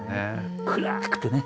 暗くてね。